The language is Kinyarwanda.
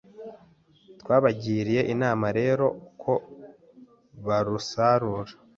Twabagiriye inama rero ko barusarura